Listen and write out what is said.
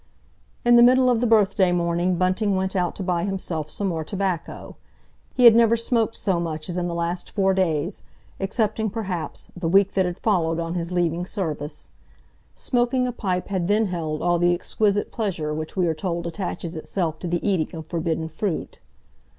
In the middle of the birthday morning Bunting went out to buy himself some more tobacco. He had never smoked so much as in the last four days, excepting, perhaps, the week that had followed on his leaving service. Smoking a pipe had then held all the exquisite pleasure which we are told attaches itself to the eating of forbidden fruit.